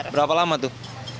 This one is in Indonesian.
berapa lama tuh